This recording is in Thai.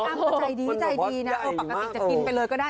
อ้างก็ใจดีนะปกติจะกินไปเลยก็ได้